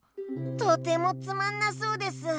とてもつまんなそうです。